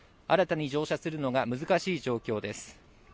新たに乗車するのが難しい状況です。